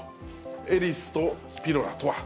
エリスとピロラとは？